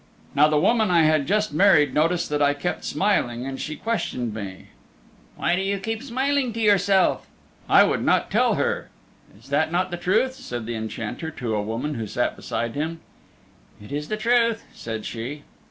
"Now the woman I had just married noticed that I kept smiling, and she questioned me. 'Why do you keep smiling to yourself?' I would not tell her. 'Is that not the truth? '" said the Enchanter to a woman who sat beside him. "It is the truth," said she.